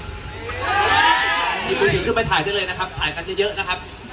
เก็บมือถือขึ้นไปถ่ายได้เลยนะครับถ่ายกันจะเยอะนะครับ